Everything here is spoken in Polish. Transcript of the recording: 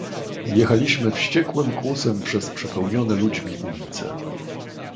"Jechaliśmy wściekłym kłusem przez przepełnione ludźmi ulice."